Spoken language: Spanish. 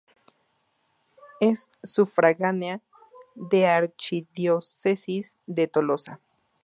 Es sufragánea de Archidiócesis de Tolosa.